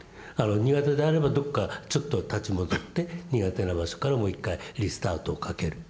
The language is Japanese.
苦手であればどっかちょっと立ち戻って苦手な場所からもう一回リスタートをかける。